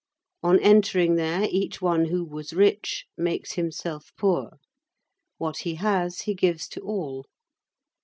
On entering there, each one who was rich makes himself poor. What he has, he gives to all.